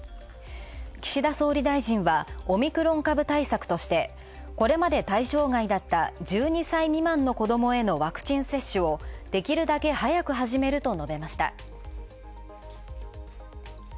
岸田総理は、オミクロン株対策として、これまで対象外だった１２歳未満の子供へのワクチン接種をできるだけ早くはじめると述べました。